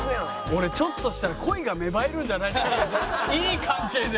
俺ちょっとしたら恋が芽生えるんじゃないかっていい関係で。